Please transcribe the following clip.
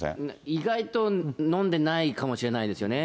意外と飲んでないかもしれないですよね。